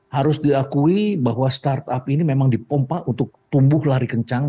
harus diakui bahwa startup ini memang dipompa untuk tumbuh lari kencang